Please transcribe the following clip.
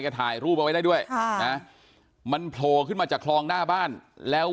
ก็ถ่ายรูปเอาไว้ได้ด้วยค่ะนะมันโผล่ขึ้นมาจากคลองหน้าบ้านแล้ว